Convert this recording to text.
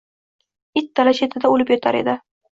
It dala chetida oʻlib yotar edi.